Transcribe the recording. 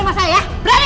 game ini kena lari